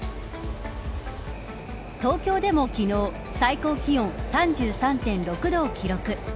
東京でも昨日最高気温３３．６度を記録。